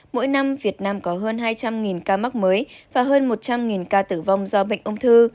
mỗi năm việt nam có hơn hai trăm linh ca mắc mới và hơn một trăm linh ca tử vong do bệnh ung thư